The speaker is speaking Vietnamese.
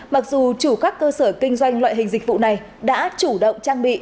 mặc dù chủ các cơ sở kinh doanh loại hình dịch vụ này đã chủ động trang bị